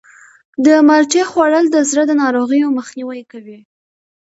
د مالټې خوړل د زړه د ناروغیو مخنیوی کوي.